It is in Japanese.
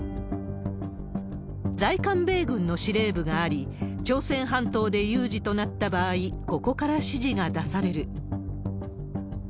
在韓米軍の司令部があり、朝鮮半島で有事となった場合、ここから指示が出される。